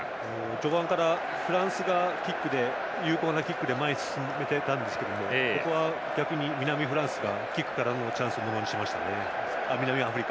序盤からフランスが有効なキックで前に進めていたんですけどここは逆に南アフリカがキックをものにしましたね。